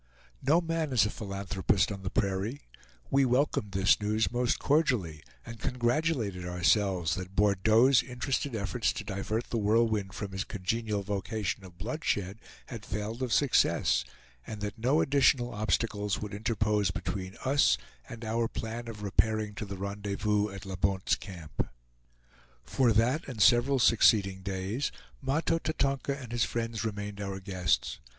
No man is a philanthropist on the prairie. We welcomed this news most cordially, and congratulated ourselves that Bordeaux's interested efforts to divert The Whirlwind from his congenial vocation of bloodshed had failed of success, and that no additional obstacles would interpose between us and our plan of repairing to the rendezvous at La Bonte's Camp. For that and several succeeding days, Mahto Tatonka and his friends remained our guests.